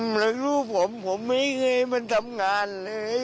พี่ผมรักลูกผมผมไม่เคยให้มันทำงานเลย